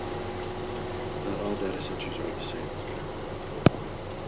Not all data centers are the same.